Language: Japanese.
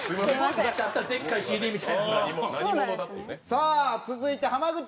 さあ続いて濱口。